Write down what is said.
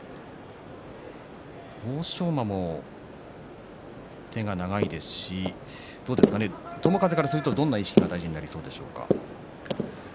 欧勝馬も手が長いですし友風からすると、どんな意識が大事になりそうでしょうか。